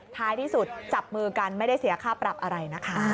ท้ายที่สุดจับมือกันไม่ได้เสียค่าปรับอะไรนะคะ